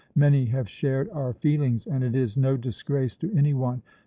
Many have shared our feelings; and it is no disgrace to any one.